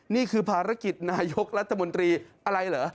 นี่คือภารกิจนายกรัฐมนตรีอะไรเหรอ